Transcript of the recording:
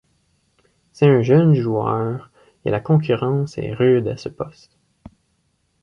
C'est un jeune joueur et la concurrence est rude à ce poste.